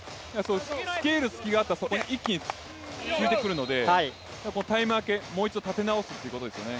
つけいる隙があったら一気にそこを突いてくるのでタイム明け、もう一度立て直すということですよね。